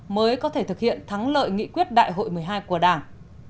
mới có thể thực hiện thắng lợi nghị quyết đại hội một mươi hai của đảng